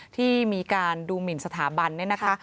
ที่มีการดูหมินสถาบันเนี่ยนะคะ